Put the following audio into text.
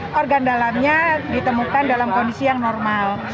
pergandalannya ditemukan dalam kondisi yang normal